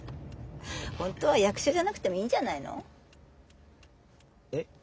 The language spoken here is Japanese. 本当は役者じゃなくてもいいんじゃないの？え？